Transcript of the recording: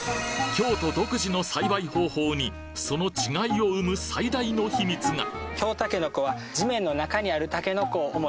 京都独自の栽培方法にその違いを生む最大の秘密が！